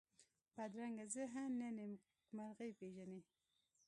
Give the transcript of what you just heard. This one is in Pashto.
بدرنګه ذهن نه نېکمرغي پېژني